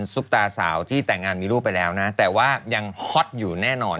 ซุปตาสาวที่แต่งงานมีลูกไปแล้วนะแต่ว่ายังฮอตอยู่แน่นอน